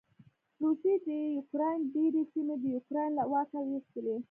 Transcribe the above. روسې د يوکراین ډېرې سېمې د یوکراين له واکه واېستلې.